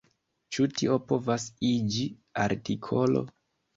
Ĉu tio povas iĝi artikolo?